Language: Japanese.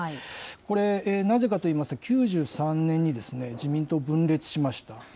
これ、なぜかといいますと９３年にですね、自民党分裂しました。